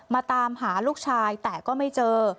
ตามหาลูกชายแต่ก็ไม่เจอ